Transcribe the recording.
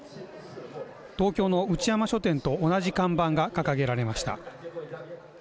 東京の内山書店と同じ看板が掲げられました。